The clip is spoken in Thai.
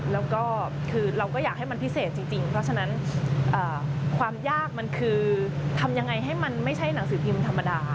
แล้วก็คือเราก็อยากให้มันพิเศษจริงเพราะฉะนั้นความยากมันคือทำยังไงให้มันไม่ใช่หนังสือพิมพ์ธรรมดา